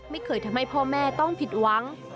ไม่เคยทำให้พ่อแม่ต้องผิดหวัง